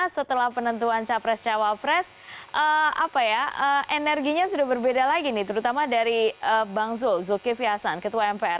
setelah penentuan capres cawapres energinya sudah berbeda lagi nih terutama dari bang zul zulkifli hasan ketua mpr